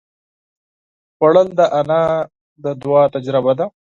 خوړل د انا د دعا تجربه ده